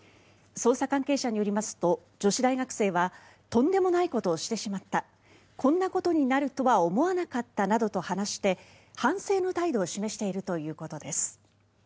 捜査関係者によりますと女子大学生はとんでもないことをしてしまったこんなことになるとは思わなかったなどと話して反省の態度を示しているということです。